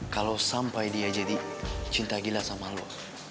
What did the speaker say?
kalau sampai dia jadi cinta gila sama lo